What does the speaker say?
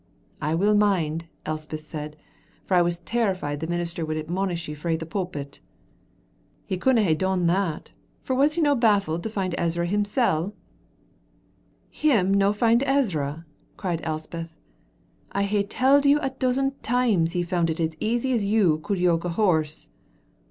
"I will mind," Elspeth said, "for I was terrified the minister would admonish you frae the pulpit." "He couldna hae done that, for was he no baffled to find Ezra himsel'?" "Him no find Ezra!" cried Elspeth. "I hae telled you a dozen times he found it as easy as you could yoke a horse."